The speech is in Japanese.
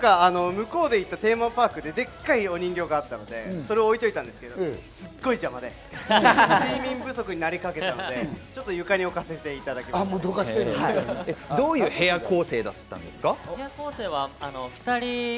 向こうで行ったテーマパークで、でっかいお人形があったので、それを置いておいたんですけど、すごい邪魔で、睡眠不足になりかけたのどういう部屋構成だったんですか？